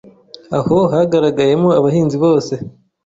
aho hagaragayemo abahinzi bose